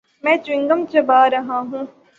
میں chewing gum چبا رہا ہوں۔